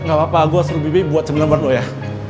gak apa apa gue suruh bibi buat cembalan lo ya